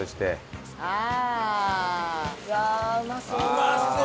うまそう！